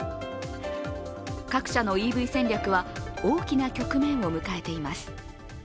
各社のＥＶ戦略は、大きな局面を迎えています。